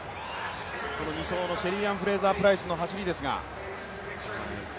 この２走のシェリーアン・フレイザープライスの走りですが。